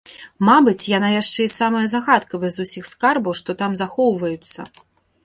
Мабыць, яна яшчэ і самая загадкавая з усіх скарбаў, што там захоўваюцца.